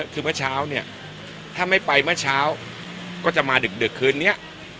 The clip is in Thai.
คือเมื่อเช้าเนี่ยถ้าไม่ไปเมื่อเช้าก็จะมาดึกคืนนี้